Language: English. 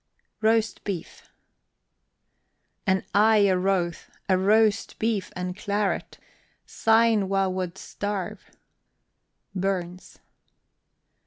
ROAST BEEF. And aye a rowth, a roast beef and claret: Syne wha wad starve! BURNS.